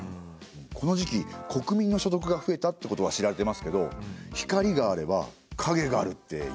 この時期国民の所得が増えたってことは知られてますけど光があれば影があるって言うじゃないですか。